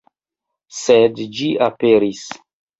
Sed ĝi aperis.